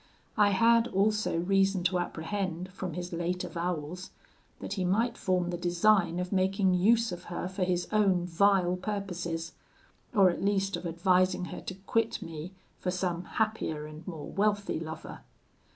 I had also reason to apprehend, from his late avowals, that he might form the design of making use of her for his own vile purposes, or at least of advising her to quit me for some happier and more wealthy lover.